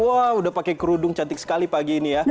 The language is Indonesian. wah udah pakai kerudung cantik sekali pagi ini ya